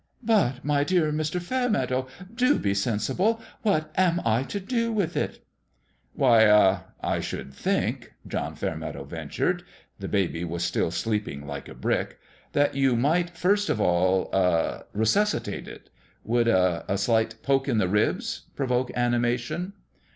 " But my dear Mr. Fairmeadow, do be sensible ; what am I to do with it ?"" Why, ah I should think," John Fairmeadow ventured the baby was still sleeping like a brick "that you might first of all ah resus citate it. Would a a slight poke in the ribs provoke animation